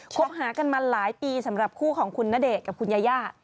คบหากันมาหลายปีสำหรับคู่ของคุณณเดชน์กับคุณยาย่า